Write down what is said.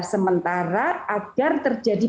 sementara agar terjadi